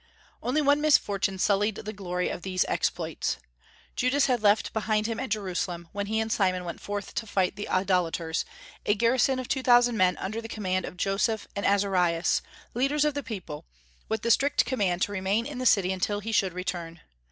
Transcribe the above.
Only one misfortune sullied the glory of these exploits. Judas had left behind him at Jerusalem, when he and Simon went forth to fight the idolaters, a garrison of two thousand men under the command of Joseph and Azarias, leaders of the people, with the strict command to remain in the city until he should return.